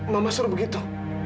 mama suruh begitu